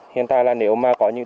hiện tại là nếu mà có những